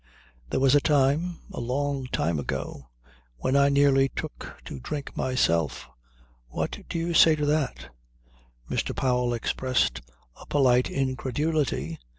"There was a time, a long time ago, when I nearly took to drink myself. What do you say to that?" Mr. Powell expressed a polite incredulity.